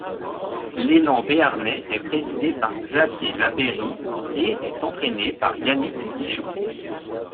L'Élan béarnais est présidé par Xavier Labeyrie et est entraîné par Yannick Dijeaux.